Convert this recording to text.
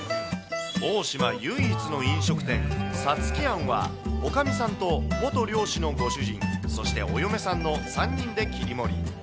大島唯一の飲食店、五月庵は、おかみさんと元漁師のご主人、そしてお嫁さんの３人で切り盛り。